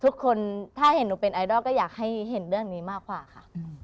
ทุกคนถ้าเห็นหนูเป็นไอดอลก็อยากให้เห็นเรื่องนี้มากกว่าค่ะ